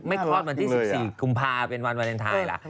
คลอดวันที่๑๔กุมภาเป็นวันวาเลนไทยล่ะ